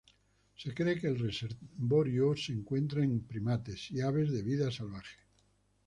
Se cree que el reservorio se encuentra en primates y aves de vida salvaje.